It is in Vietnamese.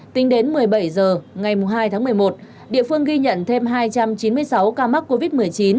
tính đến một mươi bảy h ngày hai tháng một mươi một địa phương ghi nhận thêm hai trăm chín mươi sáu ca mắc covid một mươi chín